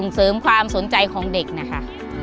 เสริมความสนใจของเด็กนะคะ